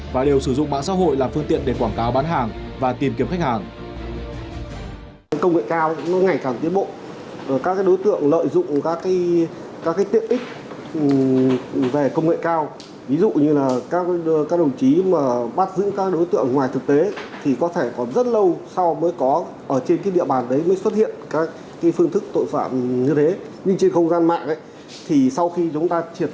và đều sử dụng mạng xã hội làm phương tiện để quảng cáo bán hàng và tìm kiếm khách hàng